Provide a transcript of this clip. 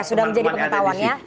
oke sudah menjadi pengetahuan ya